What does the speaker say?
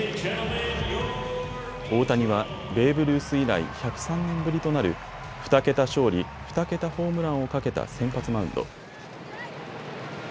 大谷はベーブ・ルース以来、１０３年ぶりとなる２桁勝利、２桁ホームランをかけた先発マウンド。